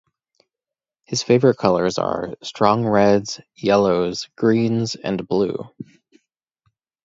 His favourite colors are: strong reds, yellows, greens, and blue.